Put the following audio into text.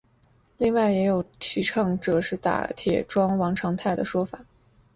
另外也有倡建者是打铁庄王长泰的说法。